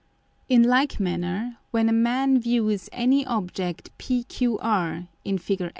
In like manner, when a Man views any Object PQR, [in _Fig.